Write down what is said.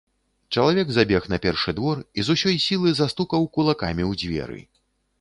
Чалавек забег на першы двор і з усёй сілы застукаў кулакамі ў дзверы.